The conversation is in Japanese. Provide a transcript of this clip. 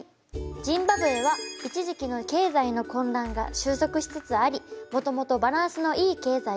ジンバブエは一時期の経済の混乱が収束しつつありもともとバランスのいい経済を持っています。